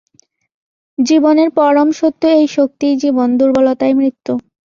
জীবনের পরম সত্য এই শক্তিই জীবন, দুর্বলতাই মৃত্যু।